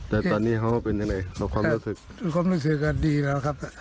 แต่ตอนนี้เขาเป็นอย่างไรแล้วความรู้สึกความรู้สึกอ่ะดีแล้วครับ